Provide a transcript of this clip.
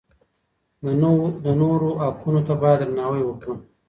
د نورو حقونو ته بايد درناوی وکړو.